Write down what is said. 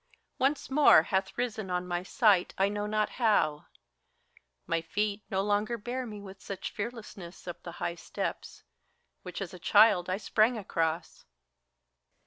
Once more hath risen on my sight, I know not how. My feet no longer bear me with such fearlessness Up the high steps, which as a child I sprang across. CHORUS.